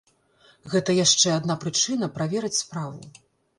Гэта яшчэ адна прычына праверыць справу.